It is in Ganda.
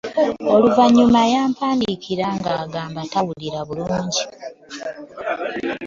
Oluvannyuma yampandiikira ng'agamba tawulira bulungi.